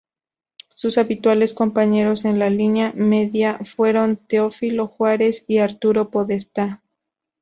Sus habituales compañeros en la línea media fueron Teófilo Juárez y Arturo Podestá.